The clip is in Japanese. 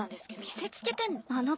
「見せつけてんの？」。